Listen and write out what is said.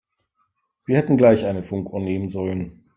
Wir hätten gleich eine Funkuhr nehmen sollen.